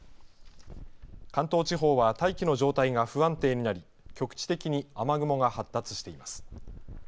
関東地方は大気の状態が不安定になり局地的に雨雲が発達しています。